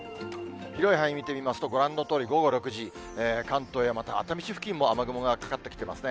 広い範囲見てみますと、ご覧のとおり、午後６時、関東やまた熱海市付近も、雨雲がかかってきていますね。